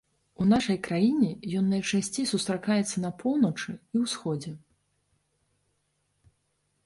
У нашай краіне ён найчасцей сустракаецца на поўначы і ўсходзе.